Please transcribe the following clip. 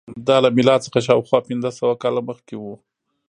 دا له میلاد څخه شاوخوا پنځه سوه کاله مخکې وه